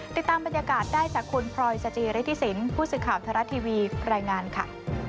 ติดตามบรรยากาศได้จากคุณพลอยสจิริธิสินผู้สื่อข่าวไทยรัฐทีวีรายงานค่ะ